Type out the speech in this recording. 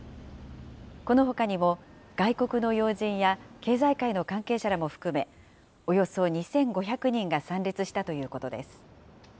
このほかにも外国の要人や経済界の関係者らも含め、およそ２５００人が参列したということです。